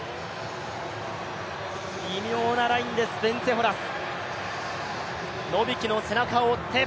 微妙なラインです、ベンツェ・ホラス。